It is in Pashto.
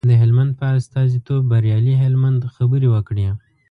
د هلمند په استازیتوب بریالي هلمند خبرې وکړې.